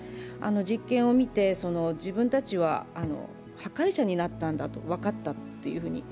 実験を見て、自分たちは破壊者になったんだと分かったと。